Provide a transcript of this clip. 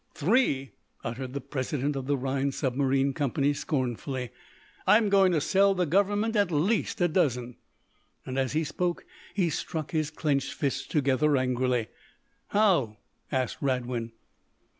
"Three?" uttered the president of the Rhinds Submarine Company, scornfully. "I'm going to sell the government at least a dozen!" As he spoke, he struck his clenched fists together angrily. "How?" asked Radwin.